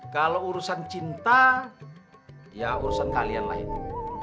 kalau urusan cinta ya urusan kalian lah itu